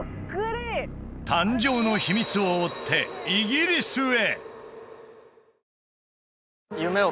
誕生の秘密を追ってイギリスへ！